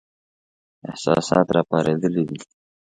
احساسات را پارېدلي دي.